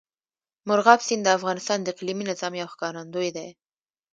مورغاب سیند د افغانستان د اقلیمي نظام یو ښکارندوی دی.